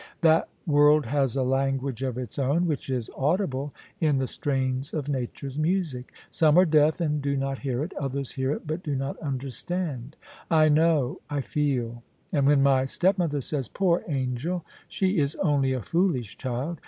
That world has a language of its own which is audible in the strains of nature's music Some are deaf and do not hear it ; others hear it but do not understand I know — I feel — and when my stepmother says, " Poor Angel ! she is only a foolish child